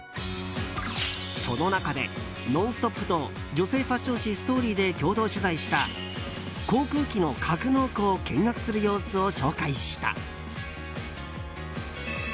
その中で「ノンストップ！」と女性ファッション誌「ＳＴＯＲＹ」で共同取材した航空機の格納庫を見学する様子を紹介した。